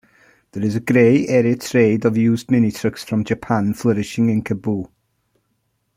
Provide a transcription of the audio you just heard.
There is a grey-area trade of used mini trucks from Japan flourishing in Cebu.